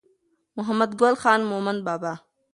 محمد ګل خان مومند بابا